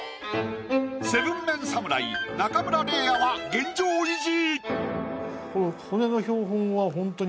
７ＭＥＮ侍中村嶺亜は現状維持！